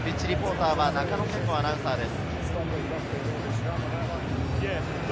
ピッチリポーターは中野謙吾アナウンサーです。